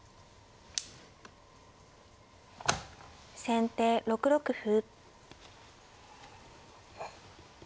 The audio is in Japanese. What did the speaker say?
先手６六歩。